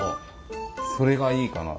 それがいいかな。